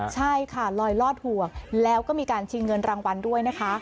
ใช่ค่ะลอยลอดห่วงแล้วก็มีการชิงเงินรางวัลด้วยนะคะ